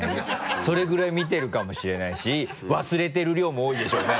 それぐらい見てるかもしれないし忘れてる量も多いでしょうね。